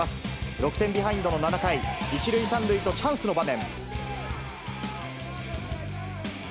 ６点ビハインドの７回、１塁３塁とチャンスの場面。